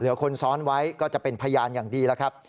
คนซ้อนไว้ก็จะเป็นพยานอย่างดีแล้วครับ